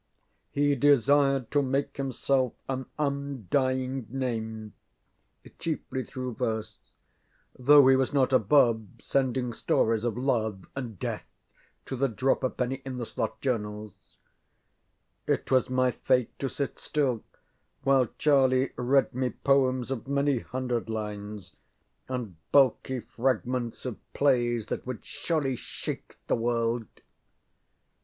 He desired to make himself an undying name chiefly through verse, though he was not above sending stories of love and death to the drop a penny in the slot journals. It was my fate to sit still while Charlie read me poems of many hundred lines, and bulky fragments of plays that would surely shake the world.